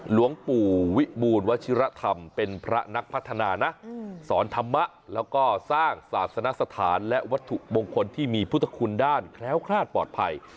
หลวงปู่วิบูลวชิระธรรมเป็นพระนักพัฒนานะสอนธรรมะแล้วก็สร้างศาสนสถานและวัตถุมงคลที่มีพุทธคุณด้านแคล้วคลาดปลอดภัย